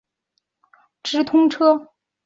例如中国大陆与香港间部分广九直通车。